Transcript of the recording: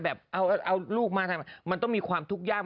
เอาลูกมามันต้องมีความทุกอย่าง